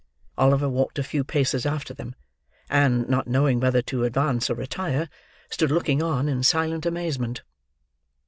Oliver walked a few paces after them; and, not knowing whether to advance or retire, stood looking on in silent amazement.